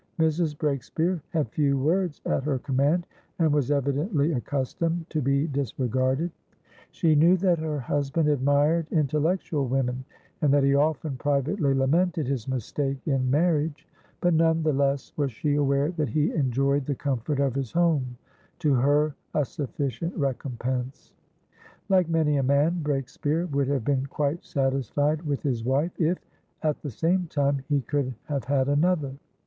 Mrs. Breakspeare had few words at her command, and was evidently accustomed to be disregarded; she knew that her husband admired intellectual women, and that he often privately lamented his mistake in marriage; but none the less was she aware that he enjoyed the comfort of his hometo her a sufficient recompense. Like many a man, Breakspeare would have been quite satisfied with his wife, if, at the same time, he could have had another.